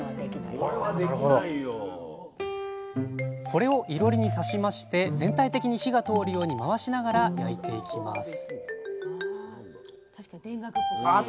これをいろりに刺しまして全体的に火が通るように回しながら焼いていきます